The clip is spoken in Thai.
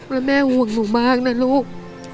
แล้วแม่ห่วงหนูมากนะลูก